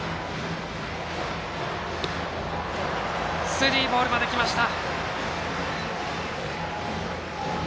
スリーボールまで来ました。